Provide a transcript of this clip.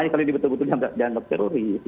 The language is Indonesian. kalau itu yang diterima dia dianggap teroris